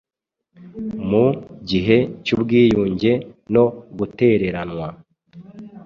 mu gihe cy’ubwigunge no gutereranwa,